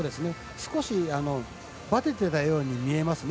少しばててたようにも見えますね。